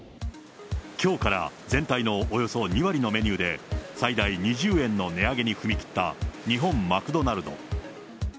きょうから全体のおよそ２割のメニューで、最大２０円の値上げに踏み切った日本マクドナルド。